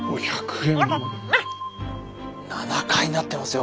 ７回なってますよ！